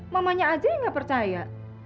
mamanya aja yang nggak percaya